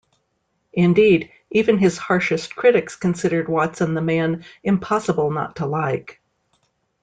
Indeed, even his harshest critics considered Watson the man "impossible not to like".